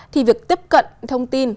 thì việc tiếp cận thông tin